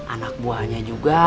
anak buahnya juga